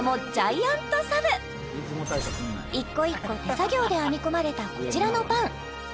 その名も１個１個手作業で編み込まれたこちらのパン